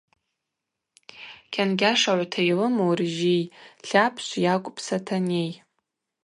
Кьангьашагӏвта йлыму ржьий Тлапшв йакӏвпӏ Сатаней.